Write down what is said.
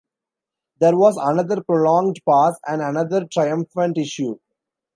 There was another prolonged pause and another triumphant issue.